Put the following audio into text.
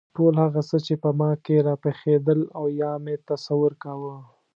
ټول هغه څه چې په ما کې راپخېدل او یا مې تصور کاوه.